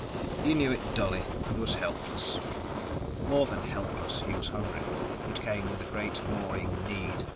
He knew it dully and was helpless. More than helpless, he was hungry. It came with a great gnawing need.